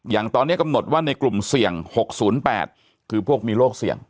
อย่างตอนนี้กำหนดว่าในกลุ่มเสี่ยง๖๐๘คือพวกมีโรคเสี่ยง